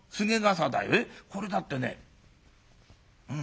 これだってねうん」。